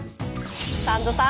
サンドさん